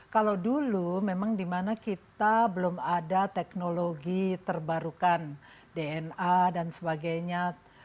kalau dulu memang dimana kita belum ada teknologi terbarukan dna dan sebagainya